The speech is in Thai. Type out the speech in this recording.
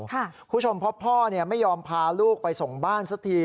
คุณผู้ชมเพราะพ่อไม่ยอมพาลูกไปส่งบ้านสักที